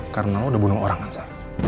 karena lo udah bunuh orang kan sa